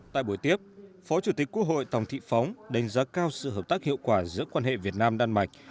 tại buổi tiếp phó chủ tịch quốc hội tòng thị phóng đánh giá cao sự hợp tác hiệu quả giữa quan hệ việt nam đan mạch